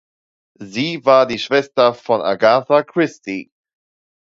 Sie war die Schwester von Agatha Christie.